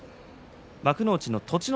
幕内の栃ノ